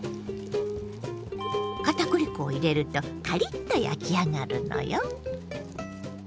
片栗粉を入れるとカリッと焼き上がるのよ。